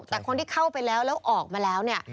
แต่คนที่เข้าไปแล้วแล้วออกมาแล้วเนี่ย